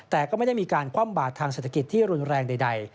แต่ก็ไม่ได้มีการคว่ำบาดทางเศรษฐกิจที่รุนแรงใด